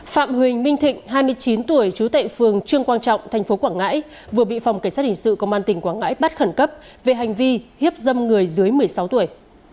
phạm huỳnh minh thịnh hai mươi chín tuổi trú tại phường trương quang trọng tp quảng ngãi vừa bị phòng cảnh sát hình sự công an tỉnh quảng ngãi bắt khẩn cấp về hành vi hiếp dâm người dưới một mươi sáu tuổi